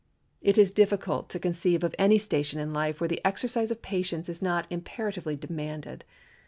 It is difficult to conceive of any station in life where the exercise of patience is not imperatively demanded.